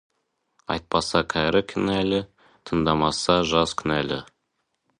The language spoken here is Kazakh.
Айтпаса, кәрі кінәлі, тыңдамасы, жас кінәлі.